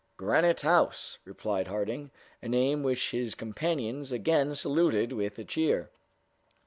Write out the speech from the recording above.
"Granite House," replied Harding; a name which his companions again saluted with a cheer.